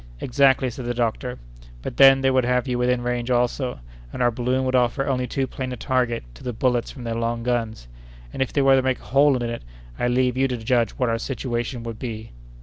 "Exactly," said the doctor; "but then they would have you within range also, and our balloon would offer only too plain a target to the bullets from their long guns; and, if they were to make a hole in it, I leave you to judge what our situation would be!"